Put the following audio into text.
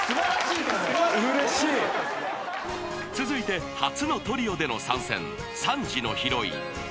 ［続いて初のトリオでの参戦３時のヒロイン］